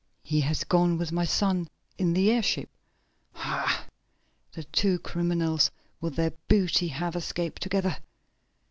"He has gone with my son in the airship." "Ha! The two criminals with their booty have escaped together!"